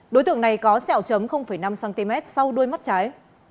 đối tượng này có sẹo chấm năm cm sau đuôi mắt trái